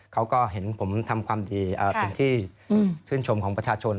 เขาก็เห็นผมทำความดีเป็นที่ชื่นชมของประชาชน